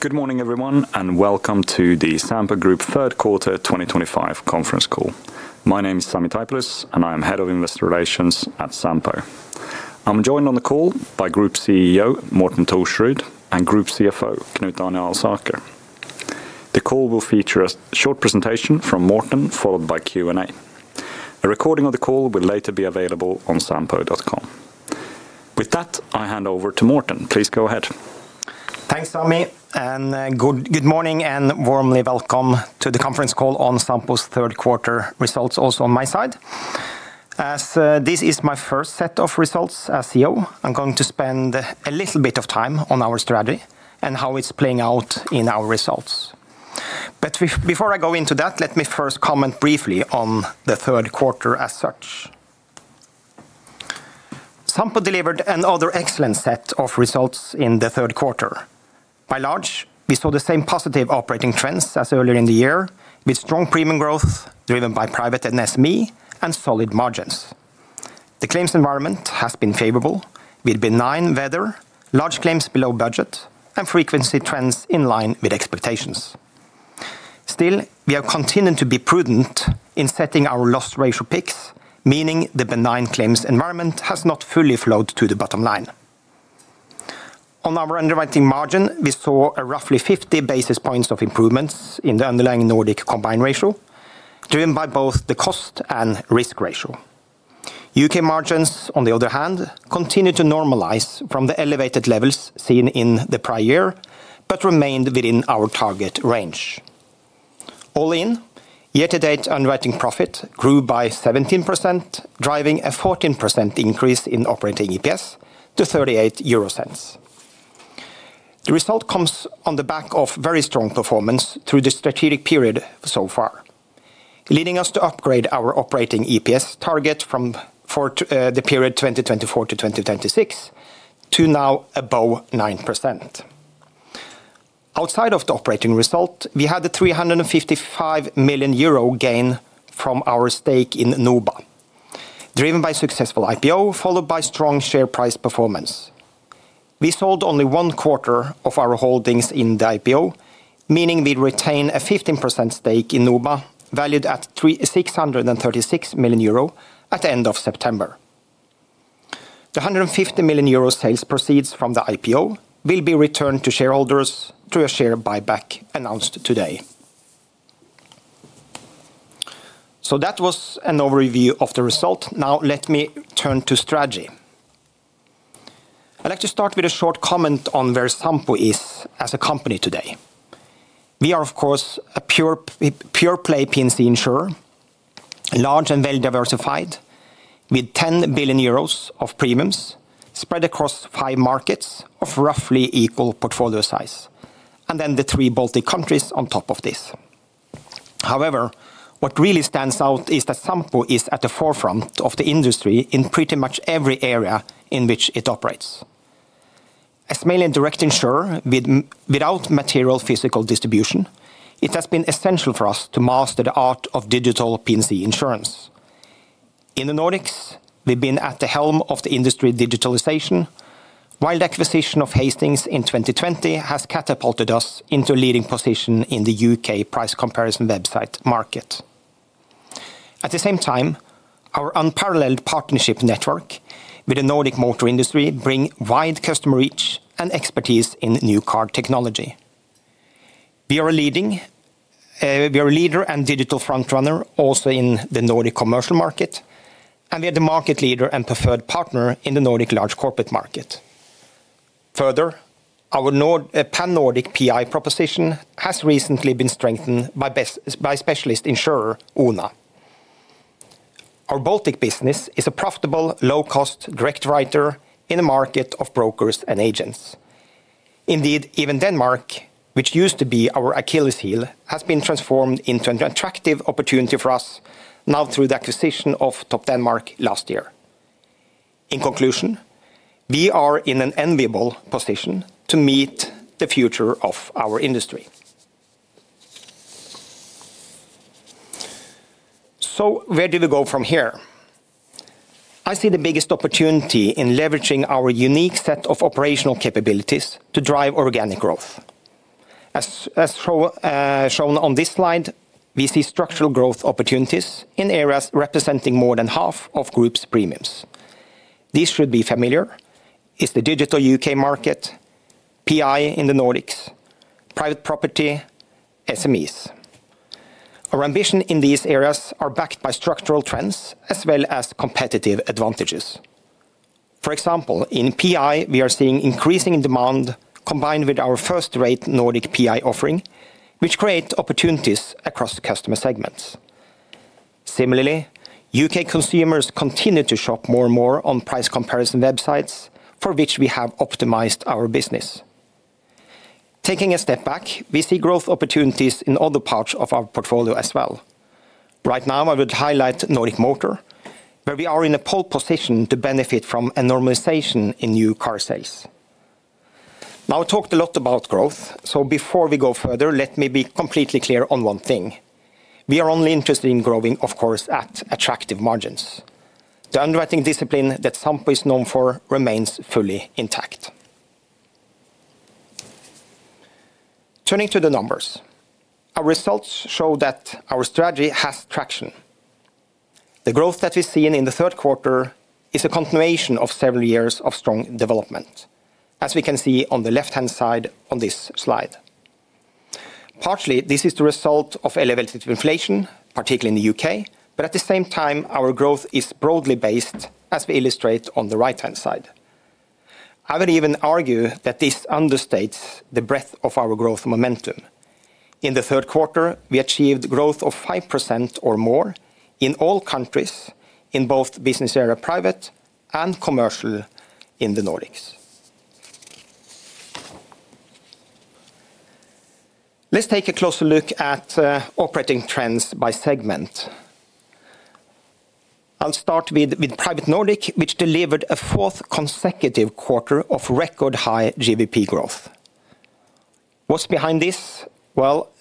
Good morning, everyone, and welcome to the Sampo Group third quarter 2025 conference call. My name is Sami Taipalus, and I am Head of Investor Relations at Sampo. I'm joined on the call by Group CEO Morten Thorsrud and Group CFO Knut Arne Alsaker. The call will feature a short presentation from Morten, followed by Q&A. A recording of the call will later be available on sampo.com. With that, I hand over to Morten. Please go ahead. Thanks, Sami. Good morning and warmly welcome to the conference call on Sampo's third quarter results, also on my side. As this is my first set of results as CEO, I'm going to spend a little bit of time on our strategy and how it's playing out in our results. Before I go into that, let me first comment briefly on the third quarter as such. Sampo delivered another excellent set of results in the third quarter. By large, we saw the same positive operating trends as earlier in the year, with strong premium growth driven by private and SME, and solid margins. The claims environment has been favorable, with benign weather, large claims below budget, and frequency trends in line with expectations. Still, we have continued to be prudent in setting our loss ratio picks, meaning the benign claims environment has not fully flowed to the bottom line. On our underwriting margin, we saw roughly 50 basis points of improvement in the underlying Nordic combined ratio, driven by both the cost and risk ratio. U.K. margins, on the other hand, continued to normalize from the elevated levels seen in the prior year, but remained within our target range. All in, year-to-date underwriting profit grew by 17%, driving a 14% increase in operating EPS to 0.38. The result comes on the back of very strong performance through the strategic period so far, leading us to upgrade our operating EPS target from the period 2024 to 2026 to now above 9%. Outside of the operating result, we had a 355 million euro gain from our stake in NOBA, driven by successful IPO, followed by strong share price performance. We sold only one quarter of our holdings in the IPO, meaning we retain a 15% stake in NOBA, valued at 636 million euro at the end of September. The 150 million euro sales proceeds from the IPO will be returned to shareholders through a share buyback announced today. That was an overview of the result. Now let me turn to strategy. I'd like to start with a short comment on where Sampo is as a company today. We are, of course, a pure-play P&C insurer. Large and well-diversified, with 10 billion euros of premiums spread across five markets of roughly equal portfolio size, and then the three Baltic countries on top of this. However, what really stands out is that Sampo is at the forefront of the industry in pretty much every area in which it operates. As mainly a direct insurer without material physical distribution, it has been essential for us to master the art of digital P&C insurance. In the Nordics, we've been at the helm of the industry digitalization, while the acquisition of Hastings in 2020 has catapulted us into a leading position in the U.K. price comparison website market. At the same time, our unparalleled partnership network with the Nordic motor industry brings wide customer reach and expertise in new car technology. We are a leader. A digital frontrunner also in the Nordic commercial market, and we are the market leader and preferred partner in the Nordic large corporate market. Further, our pan-Nordic PI proposition has recently been strengthened by specialist insurer Oona. Our Baltic business is a profitable, low-cost direct writer in the market of brokers and agents. Indeed, even Denmark, which used to be our Achilles' heel, has been transformed into an attractive opportunity for us now through the acquisition of Topdanmark last year. In conclusion, we are in an enviable position to meet the future of our industry. Where do we go from here? I see the biggest opportunity in leveraging our unique set of operational capabilities to drive organic growth. As shown on this slide, we see structural growth opportunities in areas representing more than half of Group's premiums. These should be familiar: the digital U.K. market, PI in the Nordics, private property, SMEs. Our ambition in these areas is backed by structural trends as well as competitive advantages. For example, in PI, we are seeing increasing demand combined with our first-rate Nordic PI offering, which creates opportunities across customer segments. Similarly, UK consumers continue to shop more and more on price comparison websites for which we have optimized our business. Taking a step back, we see growth opportunities in other parts of our portfolio as well. Right now, I would highlight Nordic Motor, where we are in a pole position to benefit from a normalization in new car sales. I talked a lot about growth, so before we go further, let me be completely clear on one thing. We are only interested in growing, of course, at attractive margins. The underwriting discipline that Sampo is known for remains fully intact. Turning to the numbers, our results show that our strategy has traction. The growth that we've seen in the third quarter is a continuation of several years of strong development, as we can see on the left-hand side on this slide. Partially, this is the result of elevated inflation, particularly in the UK, but at the same time, our growth is broadly based, as we illustrate on the right-hand side. I would even argue that this understates the breadth of our growth momentum. In the third quarter, we achieved growth of 5% or more in all countries, in both business area, private, and commercial in the Nordics. Let's take a closer look at operating trends by segment. I'll start with Private Nordic, which delivered a fourth consecutive quarter of record high GVP growth. What's behind this?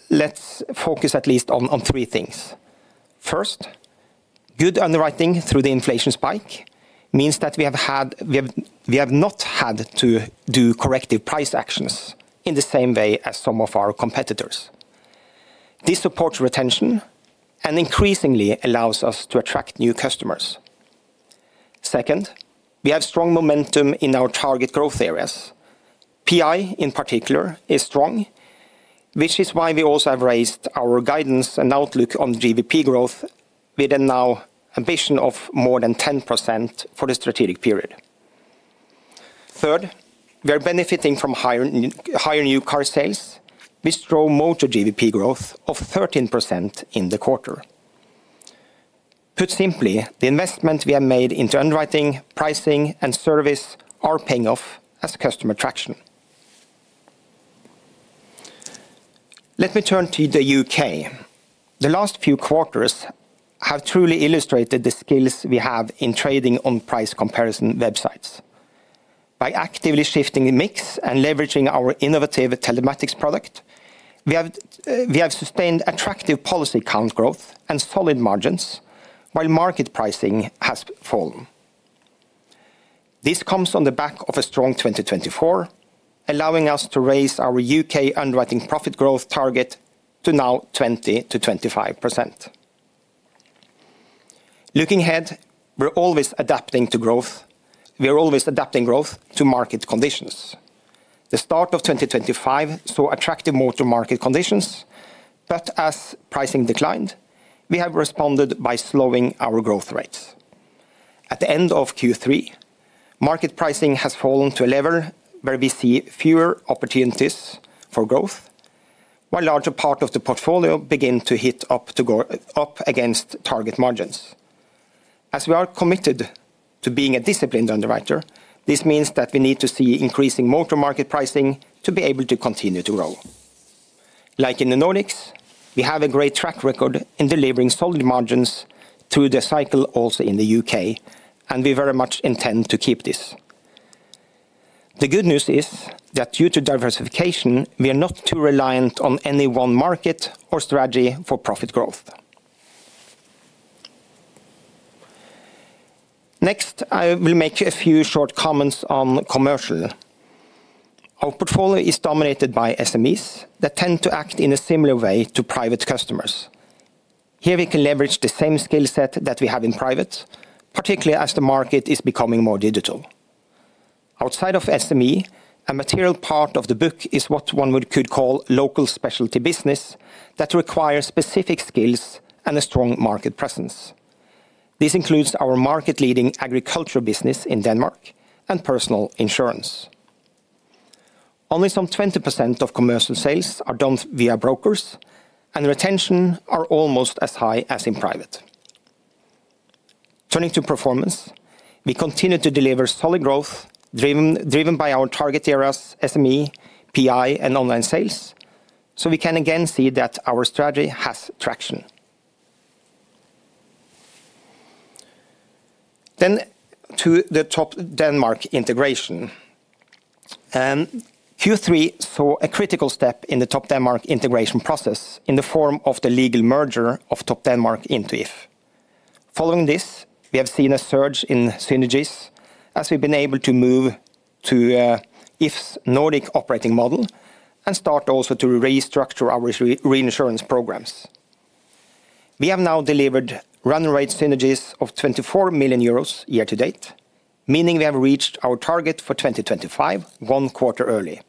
Let's focus at least on three things. First, good underwriting through the inflation spike means that we have not had to do corrective price actions in the same way as some of our competitors. This supports retention and increasingly allows us to attract new customers. Second, we have strong momentum in our target growth areas. PI, in particular, is strong. Which is why we also have raised our guidance and outlook on GVP growth with a now ambition of more than 10% for the strategic period. Third, we are benefiting from higher new car sales, which drove motor GVP growth of 13% in the quarter. Put simply, the investment we have made into underwriting, pricing, and service are paying off as customer traction. Let me turn to the U.K. The last few quarters have truly illustrated the skills we have in trading on price comparison websites. By actively shifting the mix and leveraging our innovative telematics product, we have sustained attractive policy account growth and solid margins while market pricing has fallen. This comes on the back of a strong 2024, allowing us to raise our U.K. underwriting profit growth target to now 20%-25%. Looking ahead, we're always adapting to growth. We are always adapting growth to market conditions. The start of 2025 saw attractive motor market conditions, but as pricing declined, we have responded by slowing our growth rates. At the end of Q3, market pricing has fallen to a level where we see fewer opportunities for growth. While a larger part of the portfolio began to hit up against target margins. As we are committed to being a disciplined underwriter, this means that we need to see increasing motor market pricing to be able to continue to grow. Like in the Nordics, we have a great track record in delivering solid margins through the cycle also in the U.K., and we very much intend to keep this. The good news is that due to diversification, we are not too reliant on any one market or strategy for profit growth. Next, I will make a few short comments on commercial. Our portfolio is dominated by SMEs that tend to act in a similar way to private customers. Here we can leverage the same skill set that we have in private, particularly as the market is becoming more digital. Outside of SME, a material part of the book is what one could call local specialty business that requires specific skills and a strong market presence. This includes our market-leading agriculture business in Denmark and personal insurance. Only some 20% of commercial sales are done via brokers, and retention is almost as high as in private. Turning to performance, we continue to deliver solid growth driven by our target areas, SME, PI, and online sales, so we can again see that our strategy has traction. To the Topdanmark integration. Q3 saw a critical step in the Topdanmark integration process in the form of the legal merger of Topdanmark into If. Following this, we have seen a surge in synergies as we've been able to move to If's Nordic operating model and start also to restructure our reinsurance programs. We have now delivered run-rate synergies of 24 million euros year-to-date, meaning we have reached our target for 2025 one quarter early.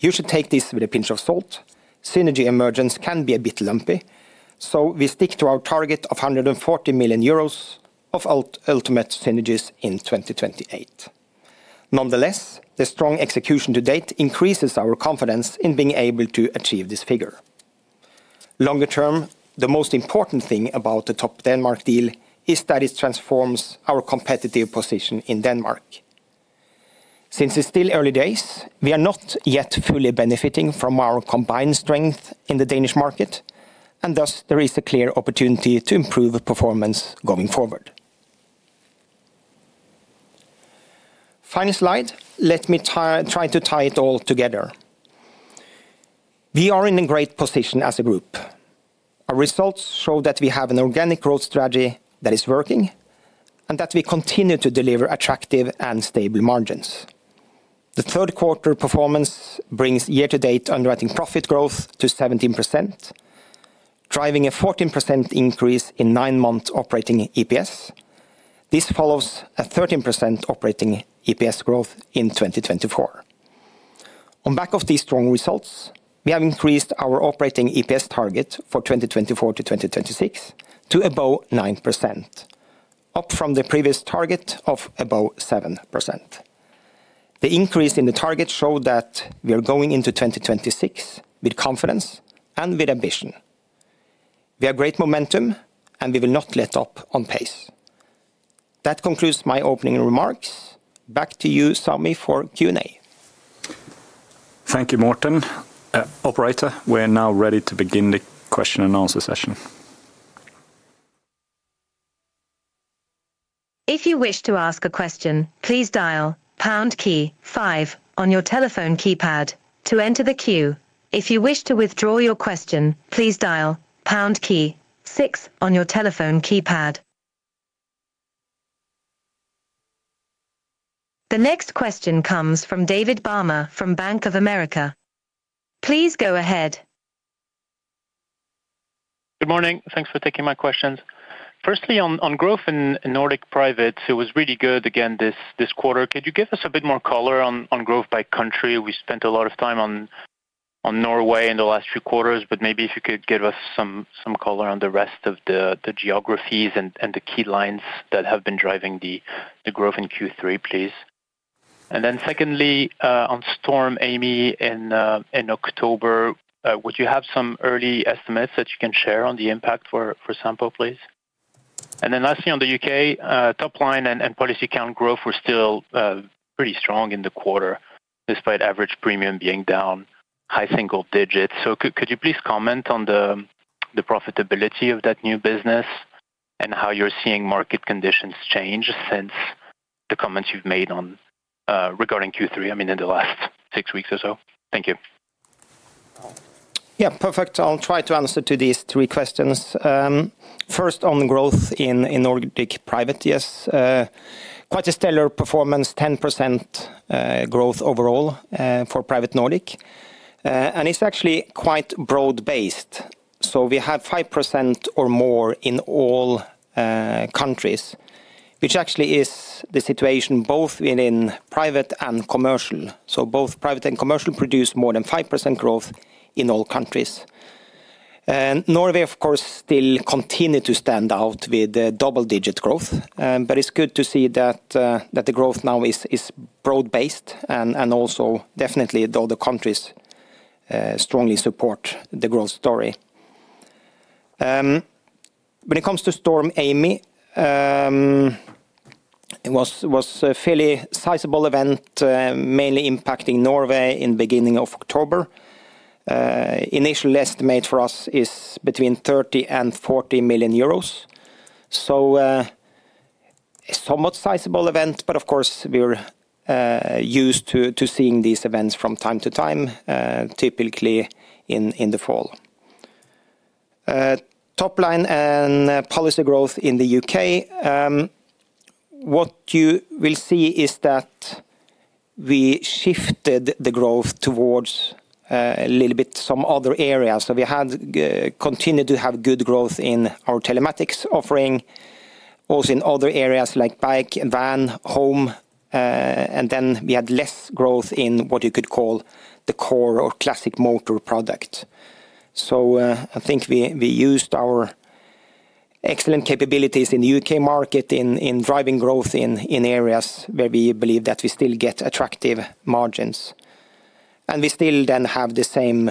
You should take this with a pinch of salt. Synergy emergence can be a bit lumpy, so we stick to our target of 140 million euros of ultimate synergies in 2028. Nonetheless, the strong execution to date increases our confidence in being able to achieve this figure. Longer term, the most important thing about the Topdanmark deal is that it transforms our competitive position in Denmark. Since it is still early days, we are not yet fully benefiting from our combined strength in the Danish market, and thus there is a clear opportunity to improve performance going forward. Final slide. Let me try to tie it all together. We are in a great position as a group. Our results show that we have an organic growth strategy that is working and that we continue to deliver attractive and stable margins. The third quarter performance brings year-to-date underwriting profit growth to 17%, driving a 14% increase in nine-month operating EPS. This follows a 13% operating EPS growth in 2024. On the back of these strong results, we have increased our operating EPS target for 2024 to 2026 to about 9%, up from the previous target of about 7%. The increase in the target showed that we are going into 2026 with confidence and with ambition. We have great momentum, and we will not let up on pace. That concludes my opening remarks. Back to you, Sami, for Q&A. Thank you, Morten. Operator, we are now ready to begin the question and answer session. If you wish to ask a question, please dial pound key five on your telephone keypad to enter the queue. If you wish to withdraw your question, please dial pound key six on your telephone keypad. The next question comes from David Barma from Bank of America. Please go ahead. Good morning. Thanks for taking my questions. Firstly, on growth in Nordic privates, it was really good again this quarter. Could you give us a bit more color on growth by country? We spent a lot of time on Norway in the last few quarters, but maybe if you could give us some color on the rest of the geographies and the key lines that have been driving the growth in Q3, please. And then secondly, on Storm Amy in October, would you have some early estimates that you can share on the impact for Sampo, please? And then lastly, on the U.K., top line and policy account growth were still pretty strong in the quarter despite average premium being down high single digits. Could you please comment on the profitability of that new business and how you are seeing market conditions change since the comments you have made regarding Q3, I mean, in the last six weeks or so? Thank you. Yeah, perfect. I will try to answer to these three questions. First, on growth in Nordic private, yes. Quite a stellar performance, 10% growth overall for Private Nordic. And it is actually quite broad-based. We have 5% or more in all countries, which actually is the situation both within private and commercial. Both private and commercial produce more than 5% growth in all countries. Norway, of course, still continues to stand out with double-digit growth, but it's good to see that the growth now is broad-based and also definitely the other countries strongly support the growth story. When it comes to Storm Amy, it was a fairly sizable event, mainly impacting Norway in the beginning of October. Initial estimate for us is between 30 million and 40 million euros. Somewhat sizable event, but of course, we're used to seeing these events from time to time, typically in the fall. Top line and policy growth in the U.K., what you will see is that we shifted the growth towards a little bit some other areas. We had continued to have good growth in our telematics offering, also in other areas like bike, van, home. Then we had less growth in what you could call the core or classic motor product. I think we used our excellent capabilities in the U.K. market in driving growth in areas where we believe that we still get attractive margins. We still then have the same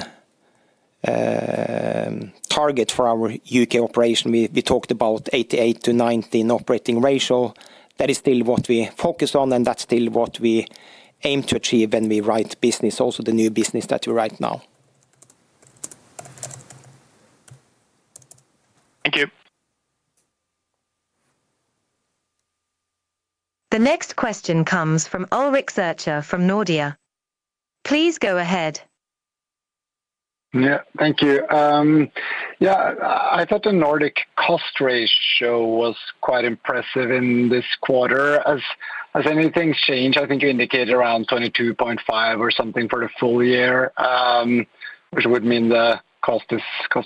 target for our U.K. operation. We talked about 88-90 in operating ratio. That is still what we focus on, and that's still what we aim to achieve when we write business, also the new business that we write now. Thank you. The next question comes from Ulrik Zürcher from Nordea. Please go ahead. Yeah, thank you. Yeah, I thought the Nordic cost ratio was quite impressive in this quarter. Has anything changed? I think you indicated around 22.5% or something for the full year, which would mean the cost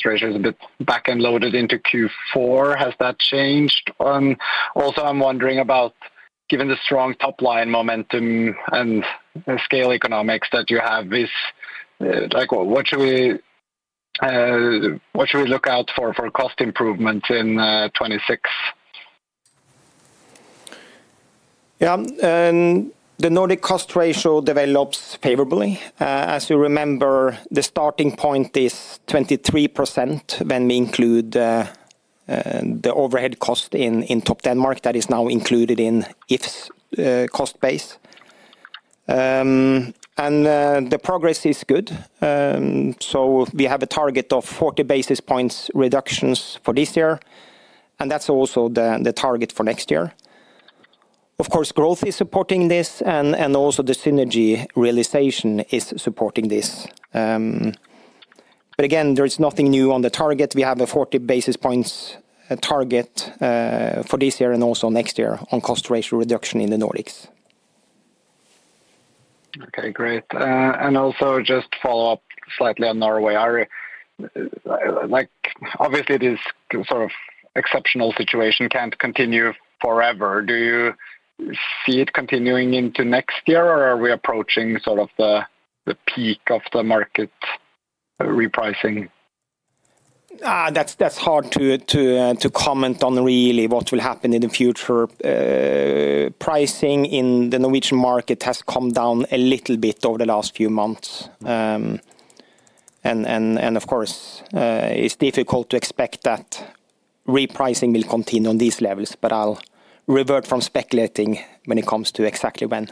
ratio is a bit back-end loaded into Q4. Has that changed? Also, I'm wondering about, given the strong top line momentum and scale economics that you have, what should we look out for for cost improvements in 2026? Yeah, the Nordic cost ratio develops favorably. As you remember, the starting point is 23% when we include the overhead cost in Topdanmark that is now included in If's cost base. The progress is good. We have a target of 40 basis points reductions for this year, and that's also the target for next year. Of course, growth is supporting this, and also the synergy realization is supporting this. Again, there is nothing new on the target. We have a 40 basis points target for this year and also next year on cost ratio reduction in the Nordics. Okay, great. Also, just to follow up slightly on Norway, obviously, this sort of exceptional situation can't continue forever. Do you see it continuing into next year, or are we approaching sort of the peak of the market repricing? That's hard to comment on really what will happen in the future. Pricing in the Norwegian market has come down a little bit over the last few months. Of course, it's difficult to expect that repricing will continue on these levels, but I'll revert from speculating when it comes to exactly when.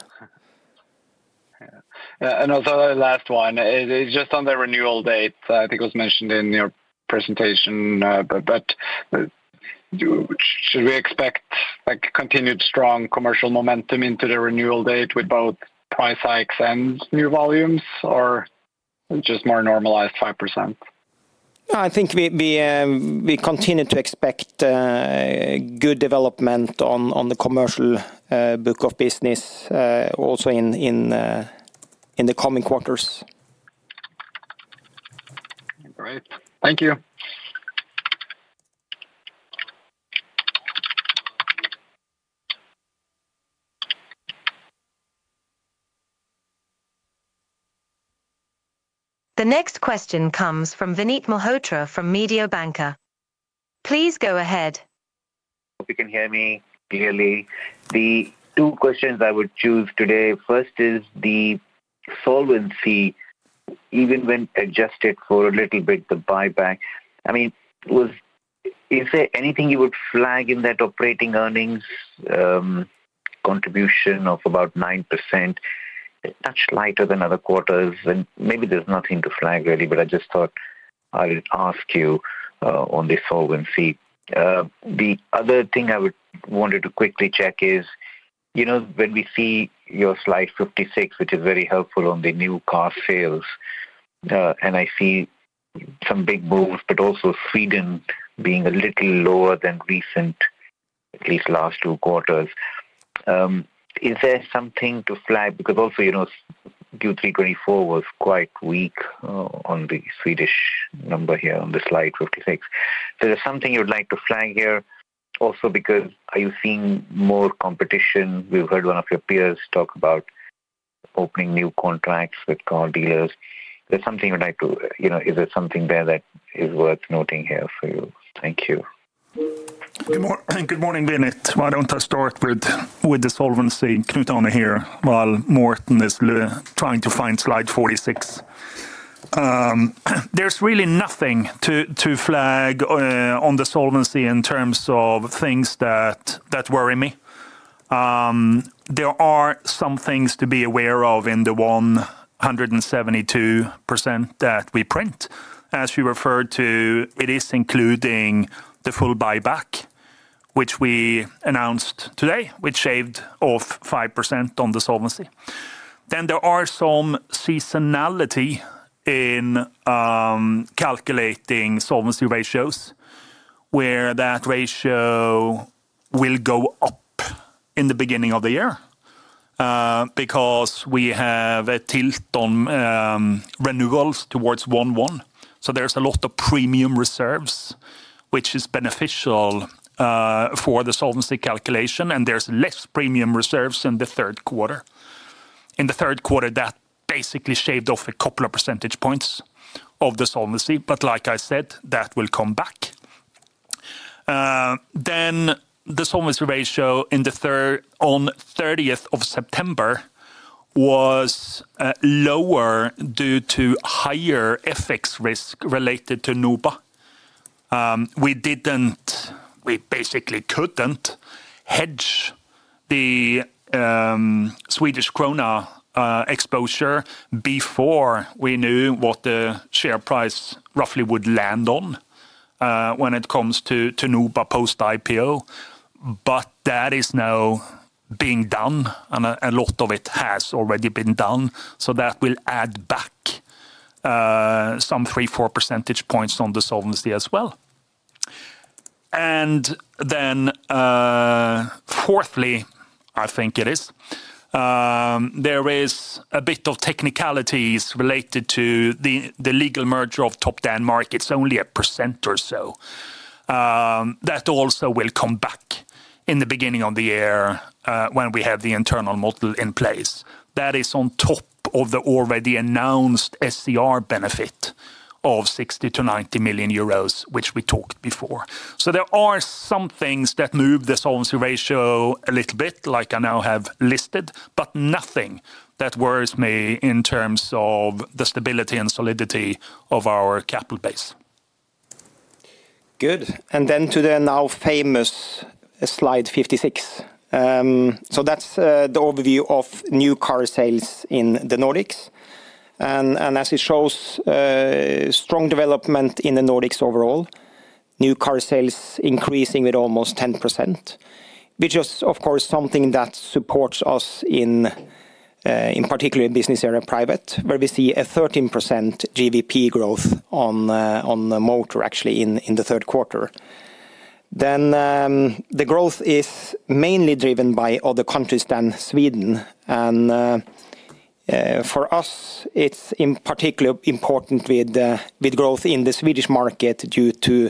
Also, the last one, just on the renewal date, I think it was mentioned in your presentation, but should we expect continued strong commercial momentum into the renewal date with both price hikes and new volumes, or just more normalized 5%? I think we continue to expect good development on the commercial book of business also in the coming quarters. Great, thank you. The next question comes from Vinit Malhotra from Mediobanca. Please go ahead. Hope you can hear me clearly. The two questions I would choose today, first is the solvency. Even when adjusted for a little bit the buyback, I mean, is there anything you would flag in that operating earnings contribution of about 9%? Much lighter than other quarters? Maybe there's nothing to flag really, but I just thought I would ask you on the solvency. The other thing I wanted to quickly check is when we see your slide 56, which is very helpful on the new car sales, and I see some big moves, but also Sweden being a little lower than recent, at least last two quarters. Is there something to flag? Because also Q3 2024 was quite weak on the Swedish number here on the slide 56. So there's something you would like to flag here also because are you seeing more competition? We've heard one of your peers talk about opening new contracts with car dealers. Is there something you would like to, is there something there that is worth noting here for you? Thank you. Good morning, Vinit. I'll start with the solvency note on here, while Morten is trying to find slide 46. There's really nothing to flag on the solvency in terms of things that worry me. There are some things to be aware of in the 172% that we print. As you referred to, it is including the full buyback, which we announced today, which shaved off 5% on the solvency. Then there are some seasonality in calculating solvency ratios, where that ratio will go up in the beginning of the year because we have a tilt on renewals towards 1-1. So there's a lot of premium reserves, which is beneficial for the solvency calculation, and there's less premium reserves in the third quarter. In the third quarter, that basically shaved off a couple of percentage points of the solvency, but like I said, that will come back. Then the solvency ratio on 30th of September was lower due to higher FX risk related to NOBA. We basically couldn't hedge the Swedish krona exposure before we knew what the share price roughly would land on when it comes to NOBA post-IPO. But that is now being done, and a lot of it has already been done. That will add back some 3-4 percentage points on the solvency as well. Fourthly, I think it is, there is a bit of technicalities related to the legal merger of Topdanmark, only a percent or so. That also will come back in the beginning of the year when we have the internal model in place. That is on top of the already announced SER benefit of 60 million-90 million euros, which we talked before. There are some things that move the solvency ratio a little bit, like I now have listed, but nothing that worries me in terms of the stability and solidity of our capital base. Good. To the now famous slide 56. That is the overview of new car sales in the Nordics. As it shows, strong development in the Nordics overall, new car sales increasing with almost 10%. Which is, of course, something that supports us, particularly in business area Private, where we see a 13% GVP growth on motor, actually, in the third quarter. The growth is mainly driven by other countries than Sweden. For us, it is in particular important with growth in the Swedish market due to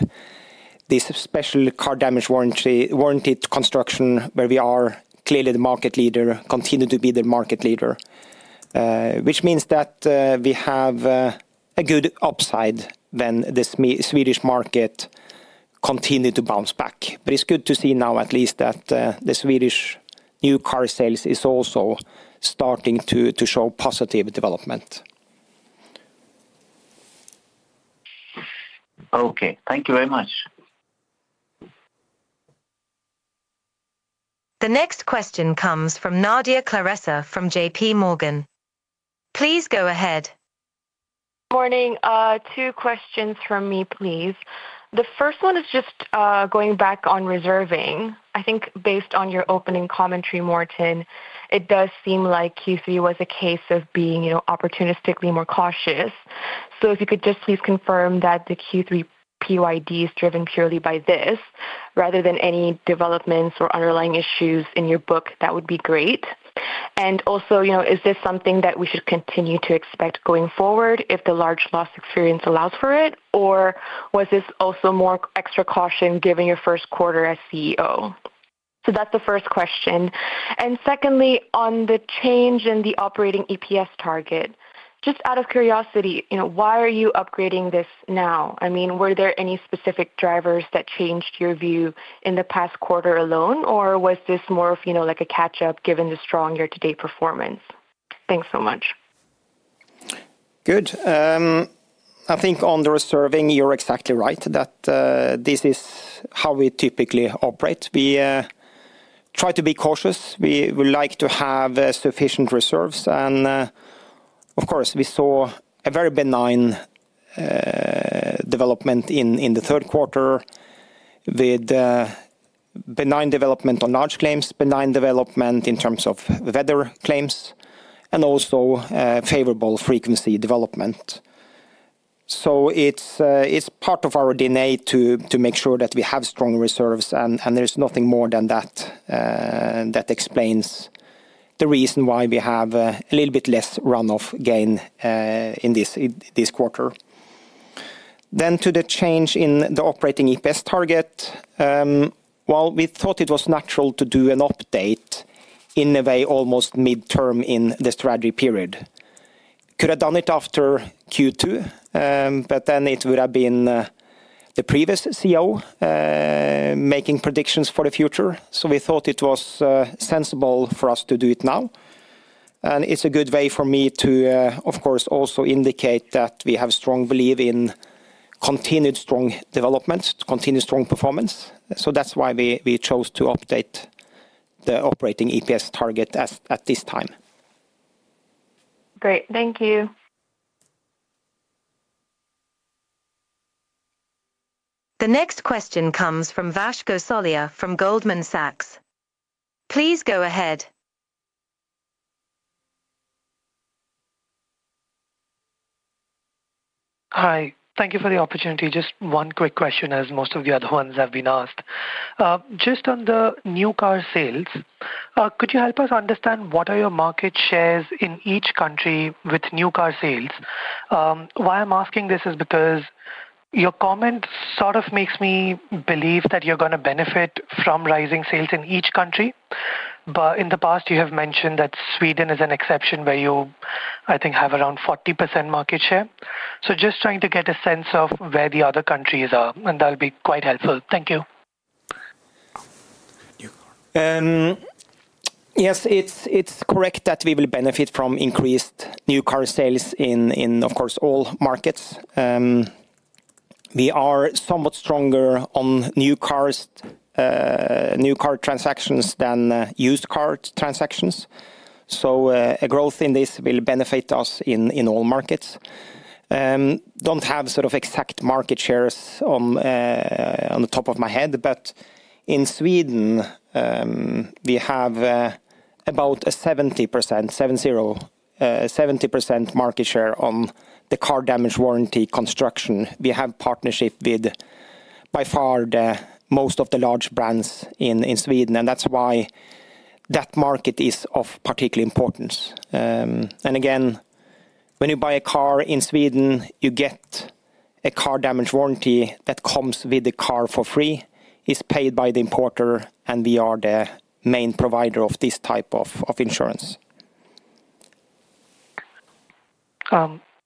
this special car damage warranty construction, where we are clearly the market leader, continue to be the market leader. Which means that we have a good upside when the Swedish market continues to bounce back. It is good to see now, at least, that the Swedish new car sales is also starting to show positive development. Okay, thank you very much. The next question comes from Nadia Claressa from JPMorgan. Please go ahead. Morning. Two questions from me, please. The first one is just going back on reserving. I think based on your opening commentary, Morten, it does seem like Q3 was a case of being opportunistically more cautious. If you could just please confirm that the Q3 PYD is driven purely by this rather than any developments or underlying issues in your book, that would be great. Also, is this something that we should continue to expect going forward if the large loss experience allows for it? Or was this also more extra caution given your first quarter as CEO? That is the first question. Secondly, on the change in the operating EPS target, just out of curiosity, why are you upgrading this now? I mean, were there any specific drivers that changed your view in the past quarter alone, or was this more of a catch-up given the strong year-to-date performance? Thanks so much. Good. I think on the reserving, you are exactly right that this is how we typically operate. We try to be cautious. We would like to have sufficient reserves. Of course, we saw a very benign development in the third quarter. With. Benign development on large claims, benign development in terms of weather claims, and also favorable frequency development. It is part of our DNA to make sure that we have strong reserves, and there is nothing more than that. That explains the reason why we have a little bit less runoff gain in this quarter. To the change in the operating EPS target, we thought it was natural to do an update in a way almost midterm in the strategy period. Could have done it after Q2, but then it would have been the previous CEO making predictions for the future. We thought it was sensible for us to do it now. It is a good way for me to, of course, also indicate that we have strong belief in continued strong development, continued strong performance. That is why we chose to update the operating EPS target at this time. Great. Thank you. The next question comes from Vash Gosalia from Goldman Sachs. Please go ahead. Hi. Thank you for the opportunity. Just one quick question, as most of the other ones have been asked. Just on the new car sales, could you help us understand what are your market shares in each country with new car sales? Why I am asking this is because your comment sort of makes me believe that you are going to benefit from rising sales in each country. In the past, you have mentioned that Sweden is an exception where you, I think, have around 40% market share. Just trying to get a sense of where the other countries are, and that will be quite helpful. Thank you. Yes, it is correct that we will benefit from increased new car sales in, of course, all markets. We are somewhat stronger on new cars, new car transactions than used car transactions. A growth in this will benefit us in all markets. Do not have sort of exact market shares on the top of my head, but in Sweden we have about a 70% market share on the car damage warranty construction. We have partnership with by far most of the large brands in Sweden, and that is why that market is of particular importance. Again, when you buy a car in Sweden, you get a car damage warranty that comes with the car for free, is paid by the importer, and we are the main provider of this type of insurance.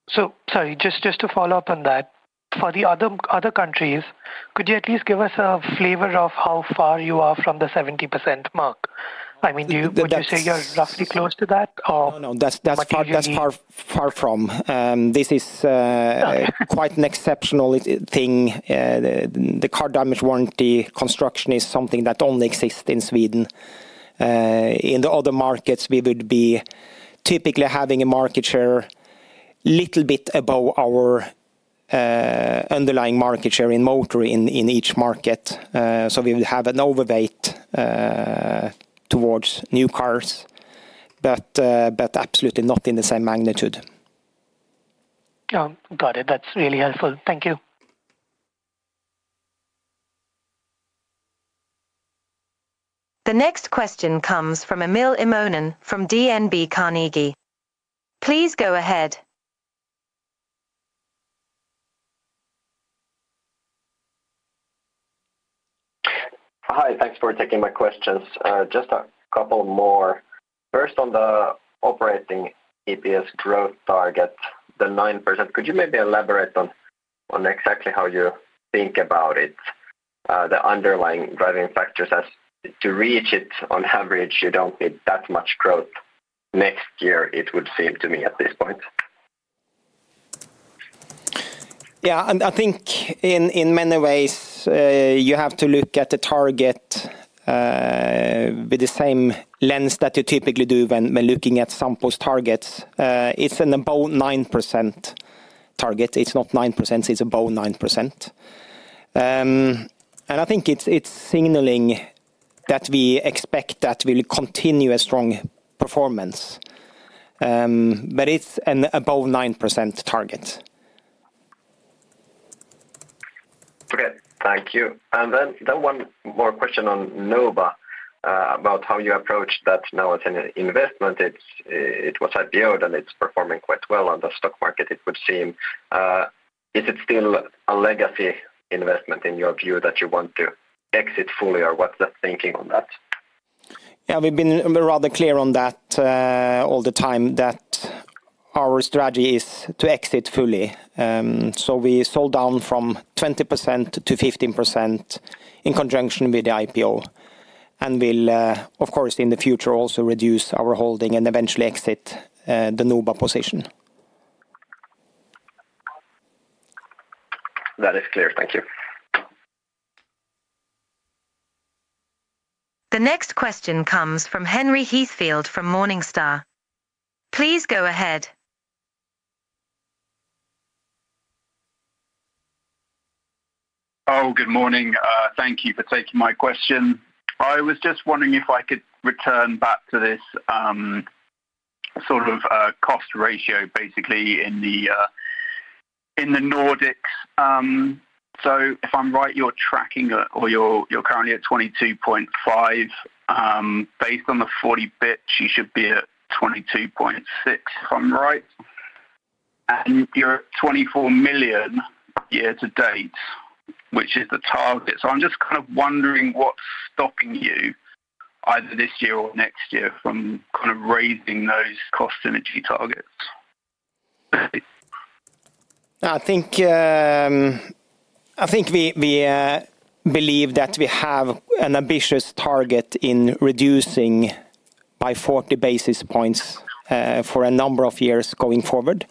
Sorry, just to follow up on that, for the other countries, could you at least give us a flavor of how far you are from the 70% mark? I mean, would you say you are roughly close to that? No, no, that is far from. This is quite an exceptional thing. The car damage warranty construction is something that only exists in Sweden. In the other markets, we would be typically having a market share a little bit above our underlying market share in motor in each market. We would have an overweight. Towards new cars. Absolutely not in the same magnitude. Got it. That's really helpful. Thank you. The next question comes from Emil Immonen from DNB Carnegie. Please go ahead. Hi, thanks for taking my questions. Just a couple more. First, on the operating EPS growth target, the 9%, could you maybe elaborate on exactly how you think about it. The underlying driving factors as to reach it on average, you do not need that much growth next year, it would seem to me at this point. Yeah, I think in many ways you have to look at the target with the same lens that you typically do when looking at some post-targets. It's an about 9% target. It's not 9%. It's about 9%. I think it's signaling that we expect that we will continue a strong performance. It's an above 9% target. Okay, thank you. One more question on NOBA about how you approach that now as an investment. It was IPO, then it's performing quite well on the stock market, it would seem. Is it still a legacy investment in your view that you want to exit fully, or what's the thinking on that? Yeah, we've been rather clear on that all the time. Our strategy is to exit fully. We sold down from 20% to 15% in conjunction with the IPO. We'll, of course, in the future also reduce our holding and eventually exit the NOBA position. That is clear. Thank you. The next question comes from Henry Heathfield from Morningstar. Please go ahead. Oh, good morning. Thank you for taking my question. I was just wondering if I could return back to this sort of cost ratio, basically, in the Nordics. If I'm right, you're tracking or you're currently at 22.5. Based on the 40 basis points, you should be at 22.6, if I'm right. You're at 24 million year to date, which is the target. I'm just kind of wondering what's stopping you either this year or next year from kind of raising those cost synergy targets. I think we believe that we have an ambitious target in reducing by 40 basis points for a number of years going forward.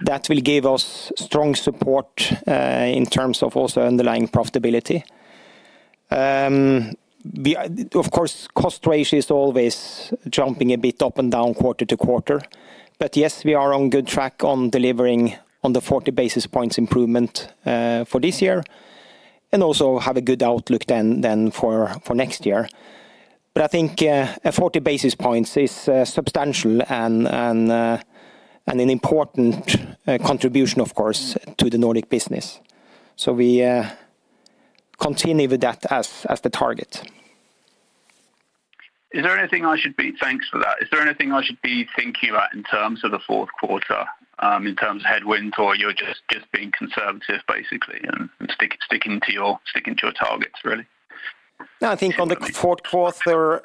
That will give us strong support in terms of also underlying profitability. Of course, cost ratio is always jumping a bit up and down quarter-to-quarter. Yes, we are on good track on delivering on the 40 basis points improvement for this year. Also have a good outlook then for next year. I think 40 basis points is substantial and an important contribution, of course, to the Nordic business. We continue with that as the target. Is there anything I should be—thanks for that. Is there anything I should be thinking about in terms of the fourth quarter, in terms of headwinds, or you're just being conservative, basically, and sticking to your targets, really? I think on the fourth quarter.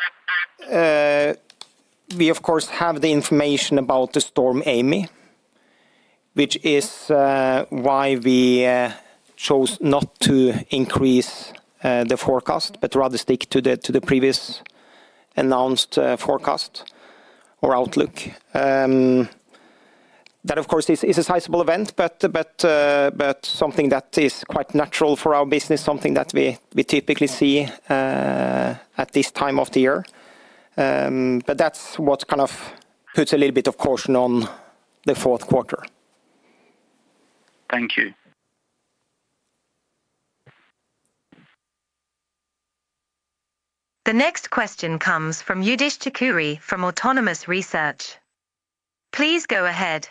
We, of course, have the information about the Storm Amy. Which is why we chose not to increase the forecast, but rather stick to the previous announced forecast or outlook. That, of course, is a sizable event, but something that is quite natural for our business, something that we typically see at this time of the year. That is what kind of puts a little bit of caution on the fourth quarter. Thank you. The next question comes from Youdish Chicooree from Autonomous Research. Please go ahead.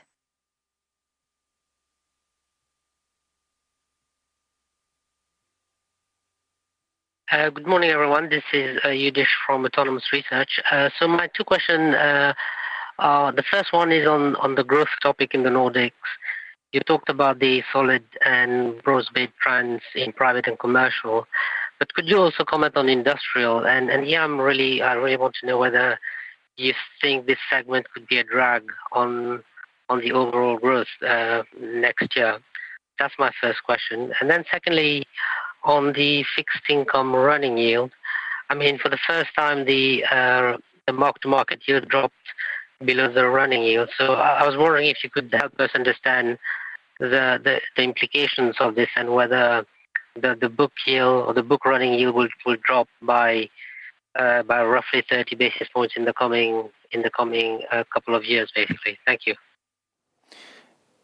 Good morning, everyone. This is Youdish from Autonomous Research. My two questions. The first one is on the growth topic in the Nordics. You talked about the solid and growth-based trends in private and commercial. Could you also comment on industrial? I am really able to know whether you think this segment could be a drag on the overall growth next year. That is my first question. Secondly, on the fixed income running yield. I mean, for the first time, the mark-to-market yield dropped below the running yield. I was wondering if you could help us understand the implications of this and whether the book yield or the book running yield will drop by roughly 30 basis points in the coming couple of years, basically. Thank you.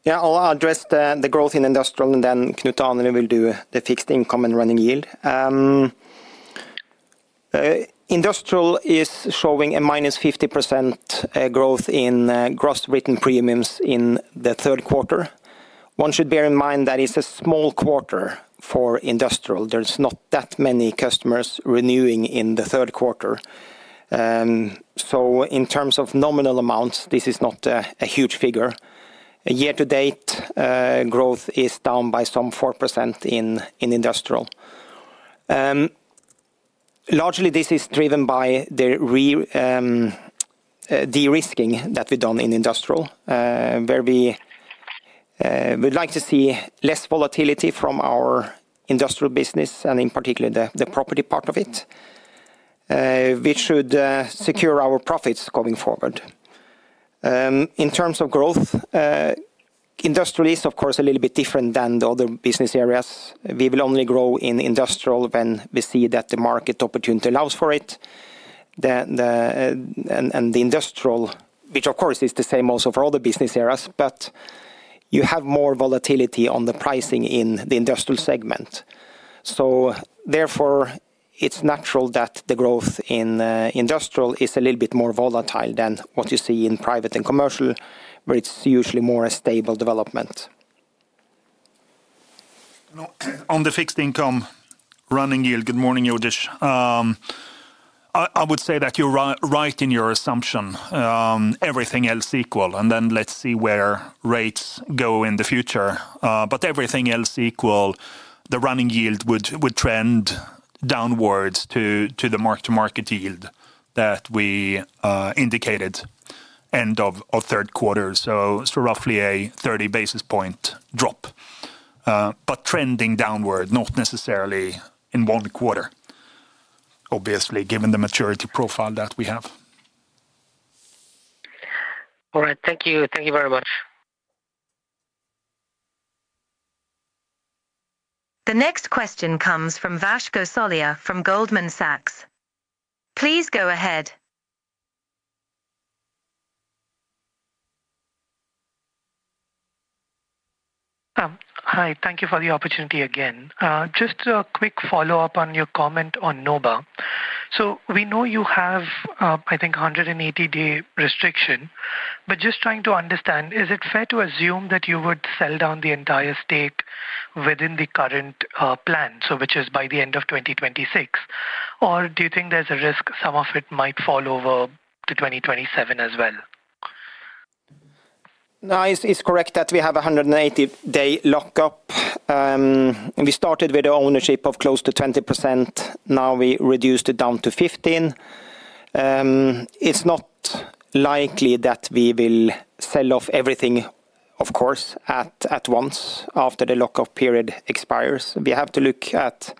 Yeah, I will address the growth in industrial, and then Knut Arne will do the fixed income and running yield. Industrial is showing a -50% growth in gross written premiums in the third quarter. One should bear in mind that it is a small quarter for industrial. There are not that many customers renewing in the third quarter. In terms of nominal amounts, this is not a huge figure. Year-to-date growth is down by some 4% in industrial. Largely, this is driven by the de-risking that we have done in industrial, where we would like to see less volatility from our industrial business, and in particular, the property part of it, which should secure our profits going forward. In terms of growth, industrial is, of course, a little bit different than the other business areas. We will only grow in industrial when we see that the market opportunity allows for it. The industrial, which of course is the same also for other business areas, but you have more volatility on the pricing in the industrial segment. Therefore, it is natural that the growth in industrial is a little bit more volatile than what you see in private and commercial, where it is usually more a stable development. On the fixed income running yield, good morning, Youdish. I would say that you are right in your assumption. Everything else equal, and then let us see where rates go in the future. Everything else equal, the running yield would trend downwards to the mark-to-market yield that we indicated end of third quarter. So roughly a 30 basis point drop, but trending downward, not necessarily in one quarter, obviously, given the maturity profile that we have. All right. Thank you. Thank you very much. The next question comes from Vash Gosalia from Goldman Sachs. Please go ahead. Hi. Thank you for the opportunity again. Just a quick follow-up on your comment on NOBA. So we know you have, I think, 180-day restriction. But just trying to understand, is it fair to assume that you would sell down the entire stake within the current plan, which is by the end of 2026? Or do you think there's a risk some of it might fall over to 2027 as well? No, it's correct that we have a 180-day lockup. We started with the ownership of close to 20%. Now we reduced it down to 15%. It's not likely that we will sell off everything, of course, at once after the lockup period expires. We have to look at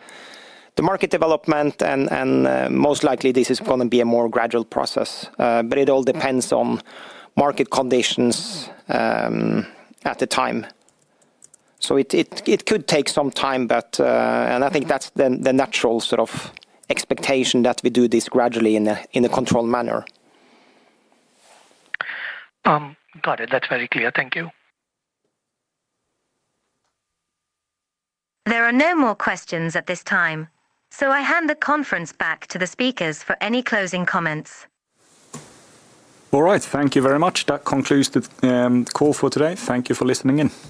the market development, and most likely this is going to be a more gradual process. But it all depends on market conditions at the time. So it could take some time, but I think that's the natural sort of expectation that we do this gradually in a controlled manner. Got it. That's very clear. Thank you. There are no more questions at this time. So I hand the conference back to the speakers for any closing comments. All right. Thank you very much. That concludes the call for today. Thank you for listening in.